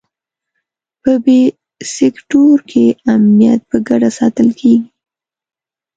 په بي سیکټور کې امنیت په ګډه ساتل کېږي.